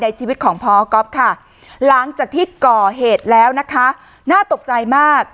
ชีวิตของพอก๊อฟค่ะหลังจากที่ก่อเหตุแล้วนะคะน่าตกใจมาก